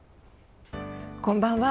こんばんは。